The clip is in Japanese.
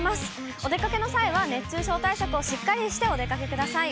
お出かけの際は、熱中症対策をしっかりして、お出かけください。